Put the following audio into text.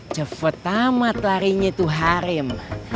cepat amat larinya itu harim